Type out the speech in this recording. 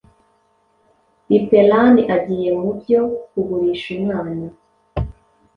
leparan agiye mubyo kugurisha umwana